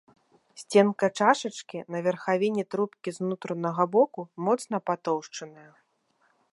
Сценка чашачкі, на верхавіне трубкі з унутранага боку моцна патоўшчаная.